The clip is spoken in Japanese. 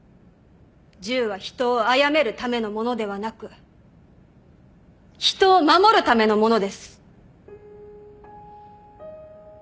銃は人をあやめるためのものではなく人を守るためのものです。